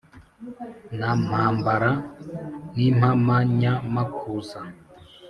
na mpambara n'impamanyamakuza